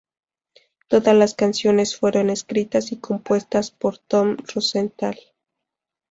Todas las canciones fueron escritas y compuestas por Tom Rosenthal.